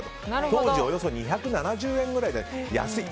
当時、およそ２７０円ぐらいで安い。